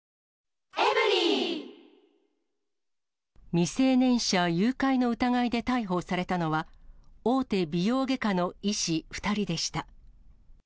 未成年者誘拐の疑いで逮捕されたのは、大手美容外科の医師２人でした。